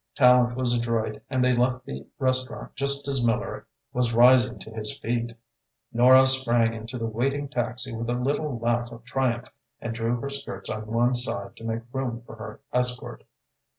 Tallente was adroit and they left the restaurant just as Miller was rising to his feet. Nora sprang into the waiting taxi with a little laugh of triumph and drew her skirts on one side to make room for her escort.